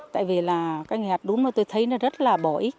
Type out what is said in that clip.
tại vì là cái nghề hát đúm tôi thấy nó rất là bổ ích